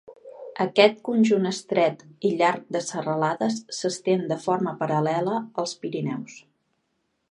Aquest conjunt estret i llarg de serralades s'estén de forma paral·lela als Pirineus.